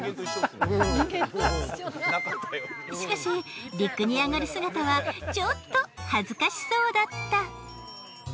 しかし陸に上がる姿はちょっと恥ずかしそうだった。